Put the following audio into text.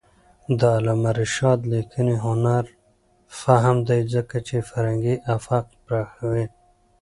د علامه رشاد لیکنی هنر مهم دی ځکه چې فرهنګي افق پراخوي.